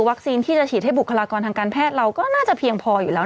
ที่จะฉีดให้บุคลากรทางการแพทย์เราก็น่าจะเพียงพออยู่แล้ว